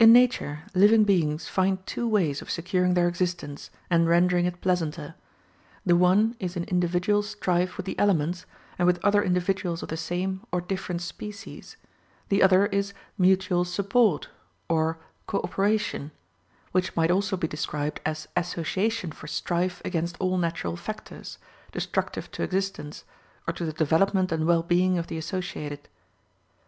In nature, living beings find two ways of securing their existence, and rendering it pleasanter. The one is in individual strife with the elements, and with other individuals of the same or different species; the other is mutual support, or co operation, which might also be described as association for strife against all natural factors, destructive to existence, or to the development and well being of the associated.